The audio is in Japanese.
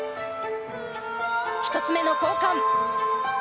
１つ目の交換。